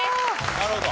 なるほど。